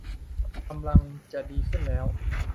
กำลังจะดีขึ้นแล้ว